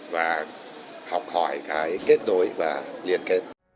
và học hỏi cái kết đối và liên kết